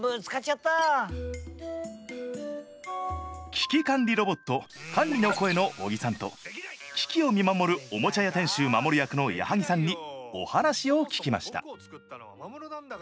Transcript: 危機管理ロボットカンリの声の小木さんとキキを見守るおもちゃ屋店主マモル役の矢作さんにお話を聞きました。